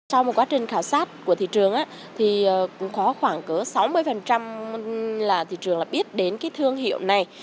sau một quá trình khảo sát của thị trường có khoảng sáu mươi là thị trường biết đến thương hiệu này